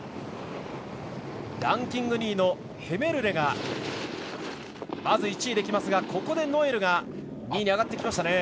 ランキング２位のヘメルレがまず１位で来ますがノエルが２位に上がってきました。